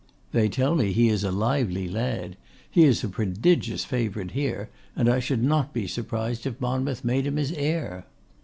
'They tell me he is a lively lad. He is a prodigious favourite here, and I should not be surprised if Monmouth made him his heir.